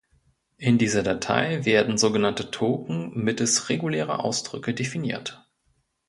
In dieser Datei werden sogenannte Token mittels regulärer Ausdrücke definiert.